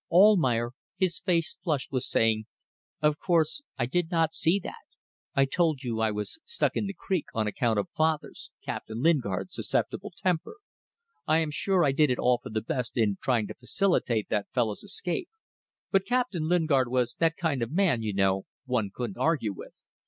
Almayer, his face flushed, was saying "Of course, I did not see that. I told you I was stuck in the creek on account of father's Captain Lingard's susceptible temper. I am sure I did it all for the best in trying to facilitate the fellow's escape; but Captain Lingard was that kind of man you know one couldn't argue with.